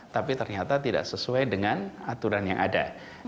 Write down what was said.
tapi ternyata tidak sesuai dengan aturan yang ada